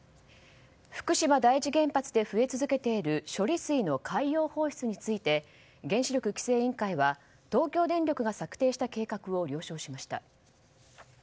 福島第一原発で増え続けている処理水の海洋放出について原子力規制委員会は東京電力が策定した計画を了承しました。